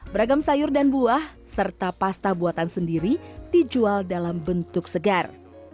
beragam sayur dan buah serta pasta buatan sendiri dijual dalam bentuk segar